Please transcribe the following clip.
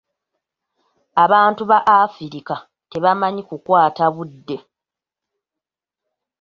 Abantu ba Afirika tebamanyi kukwata budde.